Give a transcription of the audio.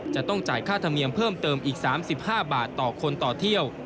จะต้องจ่ายค่าธรรมเนียมเพิ่มเติมอีก๓๕บาทต่อคนต่อเที่ยว